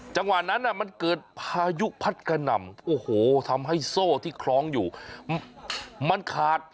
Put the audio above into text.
จังหวะนั้นมันเกิดพายุพัดกระหน่ำโอ้โหทำให้โซ่ที่คล้องอยู่มันขาด